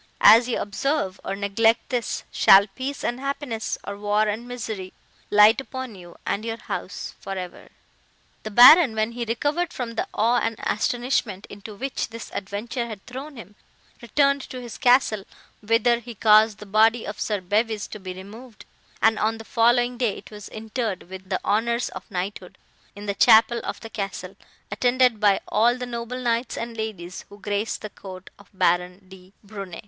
As ye observe, or neglect this, shall peace and happiness, or war and misery, light upon you and your house for ever!" "The Baron, when he recovered from the awe and astonishment, into which this adventure had thrown him, returned to his castle, whither he caused the body of Sir Bevys to be removed; and, on the following day, it was interred, with the honours of knighthood, in the chapel of the castle, attended by all the noble knights and ladies, who graced the court of Baron de Brunne."